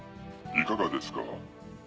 いかがですか？